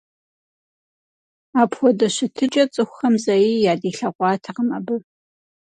Апхуэдэ щытыкӀэ цӀыхухэм зэи ядилъэгъуатэкъым абы.